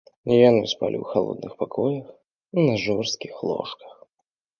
Яны спалі ў халодных пакоях на жорсткіх ложках.